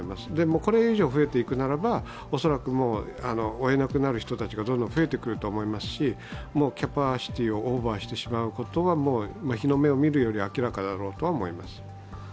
これ以上増えていくならば恐らくもう追えなくなる人たちがどんどん増えてくると思いますしもうキャパシティーをオーバーしてしまうことが日の目を見るより明らかにだと思います。